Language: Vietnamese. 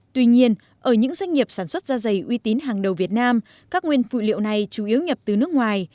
tuy nhiên ở những doanh nghiệp sản xuất da dày uy tín hàng đầu việt nam các nguyên phụ liệu này chủ yếu nhập từ nước ngoài